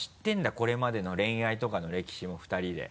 これまでの恋愛とかの歴史も２人で。